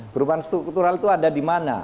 perubahan struktural itu ada di mana